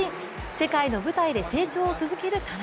世界の舞台で成長を続ける田中。